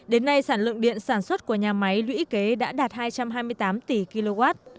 đến nay sản lượng điện sản xuất của nhà máy lũy kế đã đạt hai trăm hai mươi tám tỷ kw